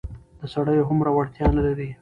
د سړيو هومره وړتيا نه لري.